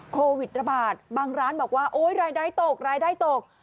โควิดระบาดบางร้านบอกว่าโอ๊ยรายได้ตกรายได้ตก